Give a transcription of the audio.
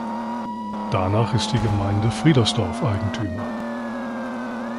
Danach ist die Gemeinde Friedersdorf Eigentümer.